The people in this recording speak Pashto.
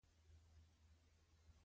په کلي کې د ونو سیوري خوندور دي.